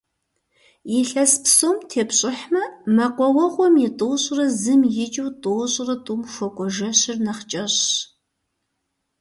Илъэс псом тепщӀыхьмэ, мэкъуауэгъуэм и тӏощӏрэ зым икӀыу тӏощӏрэ тӏум хуэкӀуэ жэщыр нэхъ кӀэщӀщ.